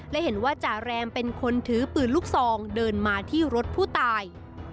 และเห็นว่าจาแรมเป็นคนถือปืนลูกซองเดินมาที่รถผู้ตาย